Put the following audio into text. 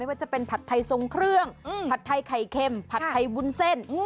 ว่าจะเป็นผัดไทยทรงเครื่องผัดไทยไข่เค็มผัดไทยวุ้นเส้น